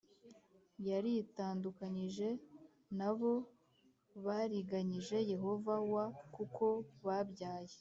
Yaritandukanyije na bo bariganyije yehova w kuko babyaye